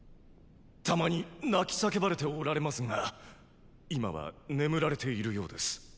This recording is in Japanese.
たまに泣き叫ばれておられますが今は眠られているようです。